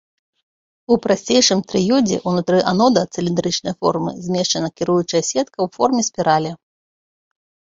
У прасцейшым трыёдзе ўнутры анода цыліндрычнай формы змешчана кіруючая сетка ў форме спіралі.